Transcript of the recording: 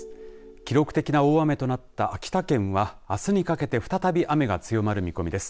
記録的な大雨となった秋田県はあすにかけて再び雨が強まる見込みです。